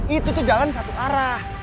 itu tuh jalan satu arah